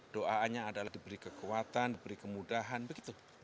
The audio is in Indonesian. doanya adalah diberi kekuatan diberi kemudahan begitu